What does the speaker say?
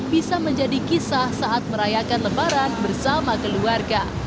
bisa menjadi kisah saat merayakan lebaran bersama keluarga